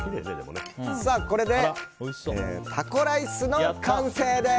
これでタコライスの完成です！